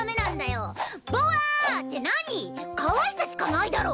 かわいさしかないだろ！